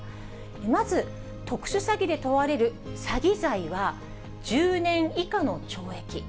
まず、特殊詐欺で問われる詐欺罪は１０年以下の懲役。